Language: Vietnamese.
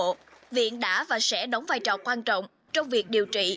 trong năm hai nghìn hai mươi một viện đã và sẽ đóng vai trò quan trọng trong việc điều trị